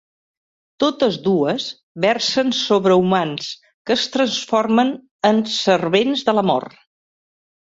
Totes dues versen sobre humans que es transformen en servents de la Mort.